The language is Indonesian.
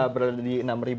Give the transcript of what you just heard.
berada di enam ribu enam puluh